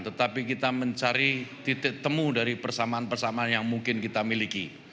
tetapi kita mencari titik temu dari persamaan persamaan yang mungkin kita miliki